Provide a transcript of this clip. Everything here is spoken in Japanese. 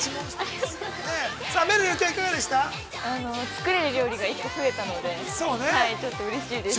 ◆作れる料理が１個ふえたのでちょっとうれしいです。